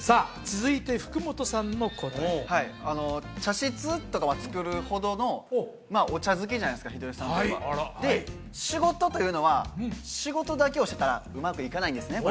続いて福本さんの答えはい茶室とか造るほどのお茶好きじゃないですか秀吉さんといえばで仕事というのは仕事だけをしてたらうまくいかないんですね